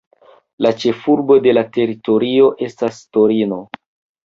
La ĉefurbo de la teritorio estas Torino.